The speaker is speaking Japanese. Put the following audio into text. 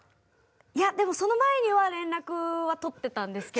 いやでもその前には連絡は取ってたんですけど。